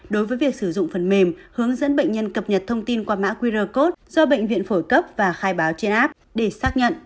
đối với việc sử dụng phần mềm hướng dẫn bệnh nhân cập nhật thông tin qua mã qr code do bệnh viện phổi cấp và khai báo trên app để xác nhận